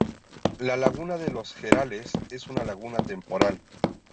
La laguna de los Jarales es una laguna temporal.